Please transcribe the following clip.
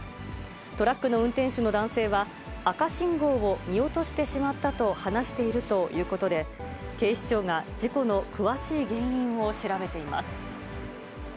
トラックの運転手の男性は、赤信号を見落としてしまったと話しているということで、警視庁が事故の詳しい原因を調べています。